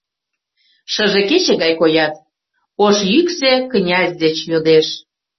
Шыже кече гай коят?» Ош йӱксӧ князь деч йодеш